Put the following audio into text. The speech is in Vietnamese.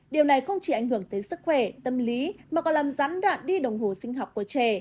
điều này không chỉ ảnh hưởng tới sức khỏe tâm lý mà còn làm gián đoạn đi đồng hồ sinh học của trẻ